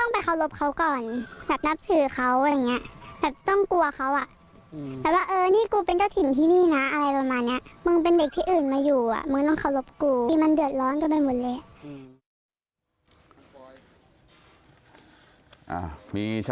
มีเช้าบ้านอีกคนนึงด้วยนะฮะ